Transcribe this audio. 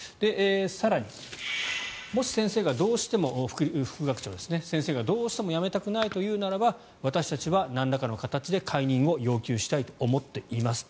更に、もし先生がどうしても辞めたくないというならば私たちはなんらかの形で解任を要求したいと思っています。